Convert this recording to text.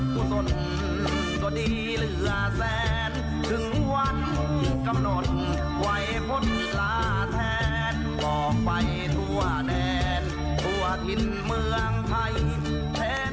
พลองไปทั่วแดนทั่วถิ่นเมืองไทยแท้